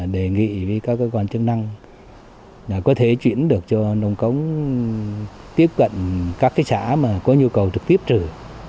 đề nghị với các cơ quan chức năng là có thể chuyển được cho nông cống tiếp cận các cái xã mà có nhu cầu trực tiếp trừ